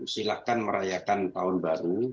silakan merayakan tahun baru